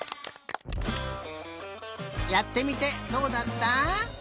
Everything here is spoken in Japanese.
やってみてどうだった？